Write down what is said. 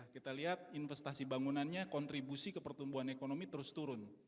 kita lihat investasi bangunannya kontribusi ke pertumbuhan ekonomi terus turun